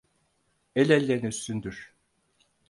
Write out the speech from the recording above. El elden üstündür.